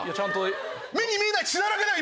目に見えない血だらけだよ